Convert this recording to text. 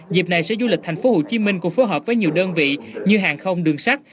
dịp này sẽ du lịch tp hcm cũng phù hợp với nhiều đơn vị như hàng không đường sắt